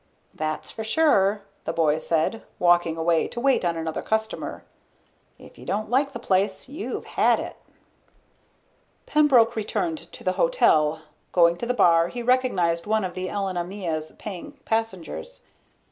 "That's for sure," the boy said, walking away to wait on another customer. "If you don't like the place, you've had it." Pembroke returned to the hotel. Going to the bar, he recognized one of the Elena Mia's paying passengers.